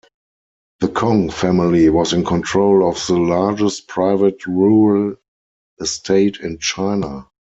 The Kong family was in control of the largest private rural estate in China.